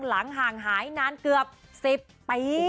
หลังห่างหายนานเกือบ๑๐ปี